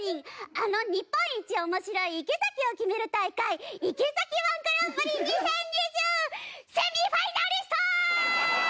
あの日本一面白い池崎を決める大会池崎−１グランプリ２０２０セミファイナリスト！